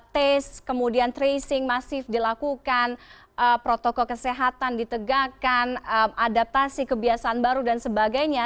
tes kemudian tracing masif dilakukan protokol kesehatan ditegakkan adaptasi kebiasaan baru dan sebagainya